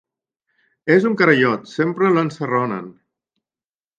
És un carallot, sempre l'ensarronen.